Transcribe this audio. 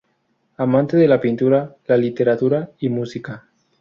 Amante de la pintura, la literatura y música.